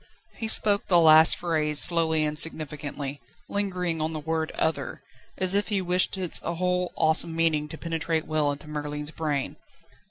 He spoke this last phrase slowly and significantly, lingering on the word "other," as if he wished its whole awesome meaning to penetrate well into Merlin's brain.